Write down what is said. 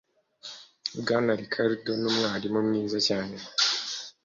Bwana Ricardo numwarimu mwiza cyane.